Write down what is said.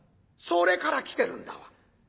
それから来てるんだわ。